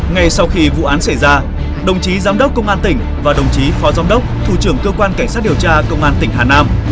ngay sau khi vụ án xảy ra đồng chí giám đốc công an tỉnh và đồng chí phó giám đốc thủ trưởng cơ quan cảnh sát điều tra công an tỉnh hà nam